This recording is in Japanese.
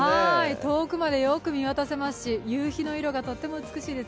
遠くまでよく見渡せますし、夕日の色がとっても美しいです。